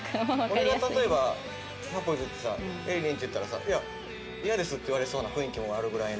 俺が例えば百歩譲ってさえりりんって言ったらさ「イヤです」って言われそうな雰囲気もあるぐらいの。